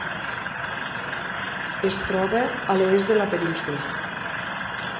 Es troba a l'oest de la península.